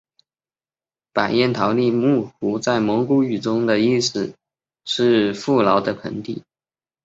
白彦陶力木湖在蒙古语中的意思是富饶的盆地。